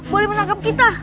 boleh menangkap kita